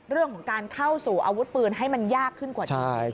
เรื่องของการเข้าสู่อาวุธปืนให้มันยากขึ้นกว่านี้